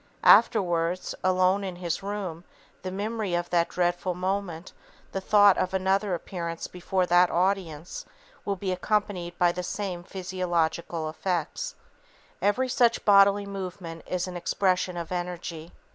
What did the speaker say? Afterwards, alone in his own room, the memory of that dreadful moment, the thought of another appearance before that audience, will be accompanied by the same physiological effects. [Sidenote: Impulses and Inhibitions] Every such bodily movement is an expression of energy.